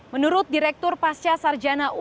menurut direktur pasca sarjana